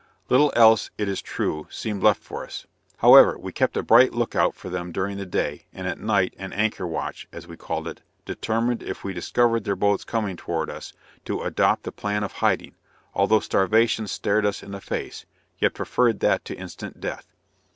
Little else it is true, seemed left for us; however, we kept a bright look out for them during the day, and at night "an anchor watch" as we called it, determined if we discovered their boats coming towards us, to adopt the plan of hiding, although starvation stared us in the face yet preferred that to instant death.